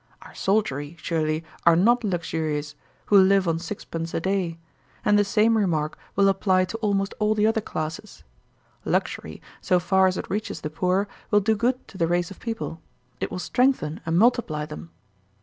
Our soldiery, surely, are not luxurious, who live on six pence a day; and the same remark will apply to almost all the other classes. Luxury, so far as it reaches the poor, will do good to the race of people; it will strengthen and multiply them.